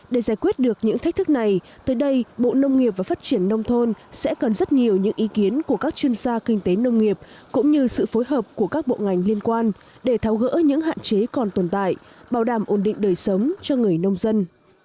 để giải quyết được những thách thức này tới đây bộ nông nghiệp và phát triển nông thôn sẽ cần rất nhiều những ý kiến của các chuyên gia kinh tế nông nghiệp cũng như sự phối hợp của các bộ ngành liên quan để tháo gỡ những hạn chế còn tồn tại bảo đảm ổn định đời sống cho người nông dân